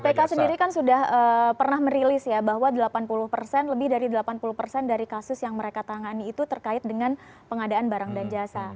kpk sendiri kan sudah pernah merilis ya bahwa delapan puluh persen lebih dari delapan puluh persen dari kasus yang mereka tangani itu terkait dengan pengadaan barang dan jasa